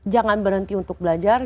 jangan berhenti untuk belajar